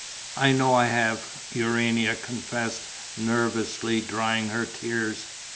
"I know I have!" Urania confessed, nervously, drying her tears.